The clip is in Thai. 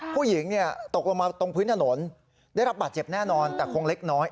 ผู้หญิงตกลงมาตรงพื้นถนนได้รับบาดเจ็บแน่นอนแต่คงเล็กน้อย